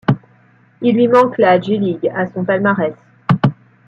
Il lui manque la J-League à son palmarès.